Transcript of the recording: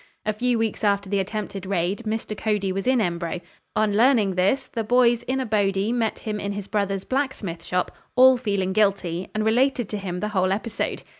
A few weeks after the attempted raid, Mr. Cody was in Embro. On learning this the boys in a body met him in his brother's blacksmith shop, all feeling guilty, and related to him the whole episode.